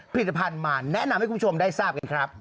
ผลิตภัณฑ์มาแนะนำให้คุณผู้ชมได้ทราบกันครับ